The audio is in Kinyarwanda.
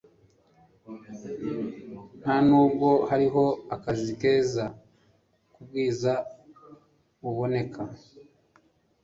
ntanubwo hariho akazi keza kubwiza buboneka